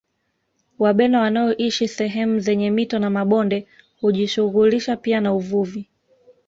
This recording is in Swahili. Wabena wanaoshi sehemu zenye mito na mabonde hujishughulisha pia na uvuvi